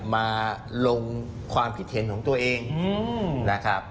มาลงความคิดเห็นของตัวเองนะครับ